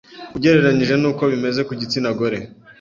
ugereranyije n’uko bimeze ku gitsina gore.